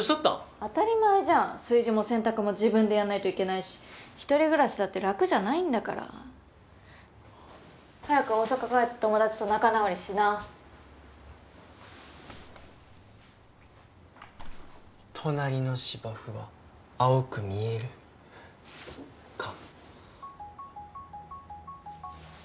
当たり前じゃん炊事も洗濯も自分でやんないといけないし一人暮らしだって楽じゃないんだから早く大阪帰って友達と仲直りしな隣の芝生は青く見えるか・